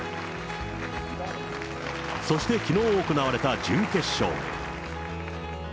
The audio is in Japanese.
そしてきのう行われた準決勝。